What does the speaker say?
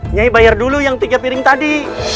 nyai bayar dulu yang tiga piring tadi